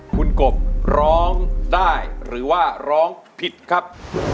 คุณกบร้องได้หรือว่าร้องผิดครับ